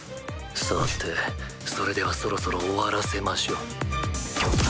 さてそれではそろそろ終わらせましょう。